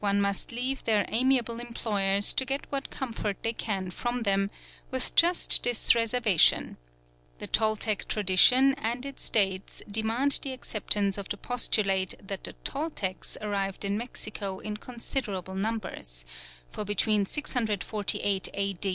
One must leave their amiable employers to get what comfort they can from them, with just this reservation: the Toltec tradition and its dates demand the acceptance of the postulate that the Toltecs arrived in Mexico in considerable numbers; for between 648 A.